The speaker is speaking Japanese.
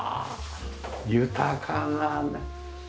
豊かなね。